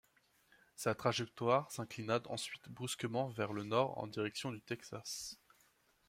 Sa trajectoire s’inclina ensuite brusquement vers le nord en direction du Texas.